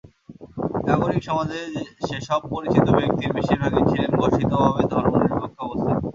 নাগরিক সমাজের সেসব পরিচিত ব্যক্তির বেশির ভাগই ছিলেন ঘোষিতভাবে ধর্মনিরপেক্ষ অবস্থানে।